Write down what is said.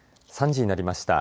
３時になりました。